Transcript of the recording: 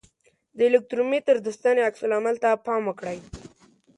د الکترومتر د ستنې عکس العمل ته پام وکړئ.